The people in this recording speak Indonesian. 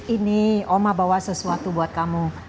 ini oma bawa sesuatu buat kamu